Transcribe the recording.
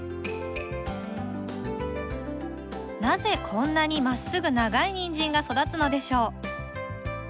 なぜこんなにまっすぐ長いニンジンが育つのでしょう？